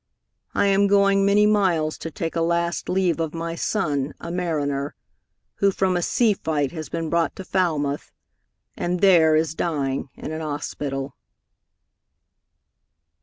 I am going many miles to take A last leave of my son, a mariner, Who from a sea fight has been brought to Falmouth, And there is dying in an hospital."